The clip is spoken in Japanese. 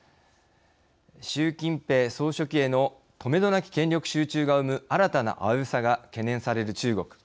習近平総書記へのとめどなき権力集中が生む新たな危うさが懸念される中国。